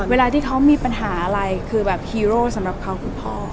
เวลาที่เขามีปัญหาอะไรคือแบบฮีโร่สำหรับเขาคุณพ่อ